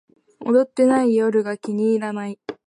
踊ってない夜が気に入らない